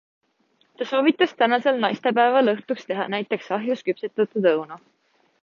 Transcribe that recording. Ta soovitas tänasel naistepäeval õhtuks teha näiteks ahjus küpsetatud õunu.